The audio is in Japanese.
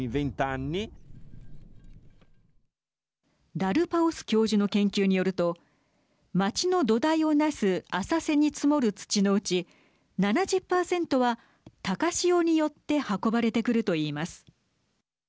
ダルパオス教授の研究によると町の土台をなす浅瀬に積もる土のうち７０％は、高潮によって運ばれてくると言います。